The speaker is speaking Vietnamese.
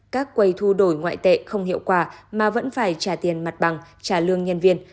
các quầy thu đổi ngoại tệ không hiệu quả mà vẫn phải trả tiền mặt bằng trả lương nhân viên